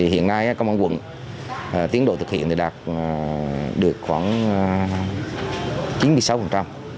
hiện nay công an quận tiến độ thực hiện đạt được khoảng chín mươi sáu